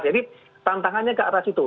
jadi tantangannya ke atas itu